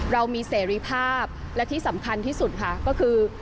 เรามีเสรีภาพและที่สำคัญที่สุดค่ะก็คือ